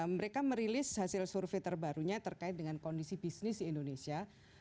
mereka merilis hasil survei terbarunya terkait dengan kondisi bisnis di indonesia